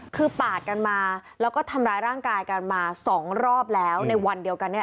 คือปาดกันมาแล้วก็ทำร้ายร่างกายกันมาสองรอบแล้วในวันเดียวกันเนี่ย